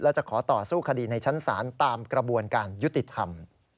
และจะขอต่อสู้คดีในชั้นศาลตามกระบวนการยุติธรรม